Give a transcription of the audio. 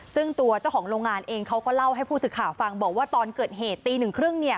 ซึ่งตัวเจ้าของโรงงานเองเขาล่าวให้ผู้ศึกข่าวฟังเต็มตอนเกิดเหตุตีนึกครึ่งเนี่ย